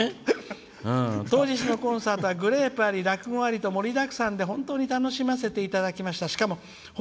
当日のコンサートはグレープあり、落語ありと盛りだくさんで楽しませていただきました。